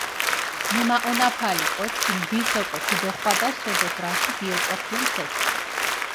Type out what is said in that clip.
მჷმაჸონაფალი კოჩქ ნდის ოკო ქჷდოხვადას, სოდეთ რაში გიოჭოფუნ თექ.